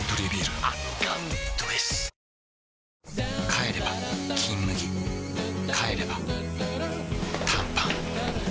帰れば「金麦」帰れば短パン